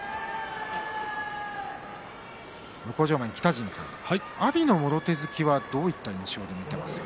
向正面の北陣さん阿炎のもろ手突きはどういった印象で見ていますか？